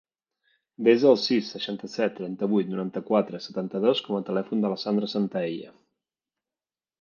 Desa el sis, seixanta-set, trenta-vuit, noranta-quatre, setanta-dos com a telèfon de la Sandra Santaella.